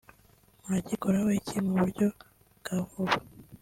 Muragikoraho iki mu buryo bwa vuba